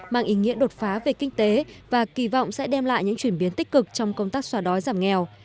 mang ý nghĩa đột phá về kinh tế và kỳ vọng sẽ đem lại những chuyển biến tích cực trong công tác xóa đói giảm nghèo